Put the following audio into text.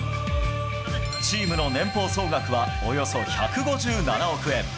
チームの年俸総額はおよそ１５７億円。